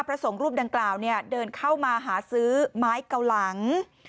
พระสงฆ์รูปดังกล่าวเดินเข้ามาหาซื้อไม้เก่าหลัง